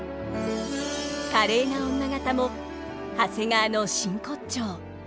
華麗な女方も長谷川の真骨頂。